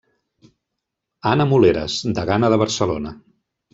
Anna Moleres, degana de Barcelona.